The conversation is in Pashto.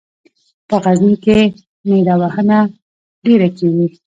په غزني کې نیره وهنه ډېره کیږي.